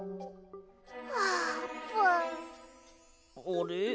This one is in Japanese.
あれ？